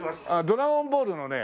『ドラゴンボール』のね